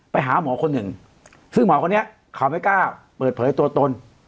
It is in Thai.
ไปหาหมอคนหนึ่งซึ่งหมอคนนี้เขาไม่กล้าเปิดเผยตัวตน